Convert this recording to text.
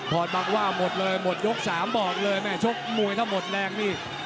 บอกว่าหมดเลยหมดยก๓บอกเลยแม่ชกมวยถ้าหมดแรงนี่